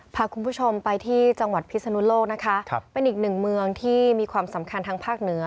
พาคุณผู้ชมไปที่จังหวัดพิศนุโลกนะคะเป็นอีกหนึ่งเมืองที่มีความสำคัญทางภาคเหนือ